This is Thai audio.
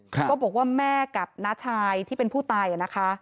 ก็บอกว่าแม่กับน้าชายที่เป็นผู้ตายอ่ะนะคะ